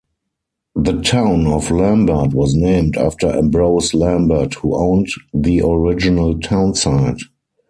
The town of Lambert was named after Ambrose Lambert, who owned the original townsite.